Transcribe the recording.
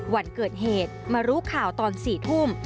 วันเกิดเหตุมารู้ข่าวตอน๔ทุ่ม